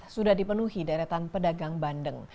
sudah dipenuhi daerah tanpa pedagang bandeng